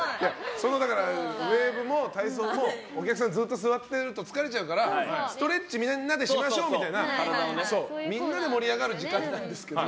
ウェーブも体操もお客さんずっと座ってると疲れちゃうからストレッチをみんなでしましょうみたいなみんなで盛り上がる時間なんですけど。